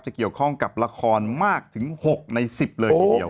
เกี่ยวข้องกับละครมากถึง๖ใน๑๐เลยทีเดียว